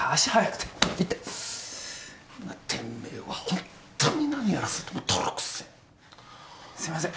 てめえはホントに何やらせてもトロくせえすいません